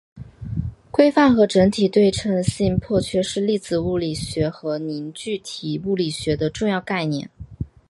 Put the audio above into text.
规范和整体对称性破缺是粒子物理学和凝聚体物理学的重要概念。